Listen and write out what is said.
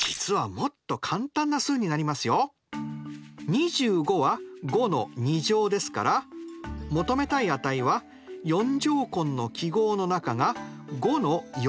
２５は５の２乗ですから求めたい値は４乗根の記号の中が５の４乗となります。